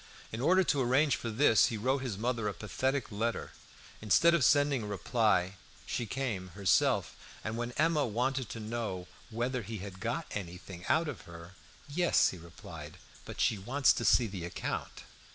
In order to arrange for this he wrote his mother a pathetic letter. Instead of sending a reply she came herself; and when Emma wanted to know whether he had got anything out of her, "Yes," he replied; "but she wants to see the account."